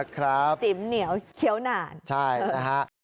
ค่ะจิ๋มเหนียวเคี้ยวหนาดนะครับใช่นะครับ